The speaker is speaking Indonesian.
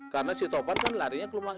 karena si topan kan larinya ke rumah lu